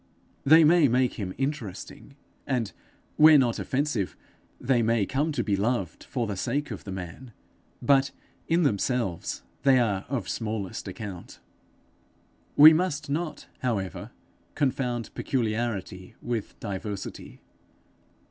They may make him interesting, and, where not offensive, they may come to be loved for the sake of the man; but in themselves they are of smallest account. We must not however confound peculiarity with diversity.